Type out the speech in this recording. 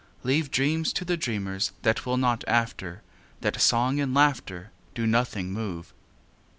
Leave dreams to the dreamers That will not after, That song and laughter Do nothing move.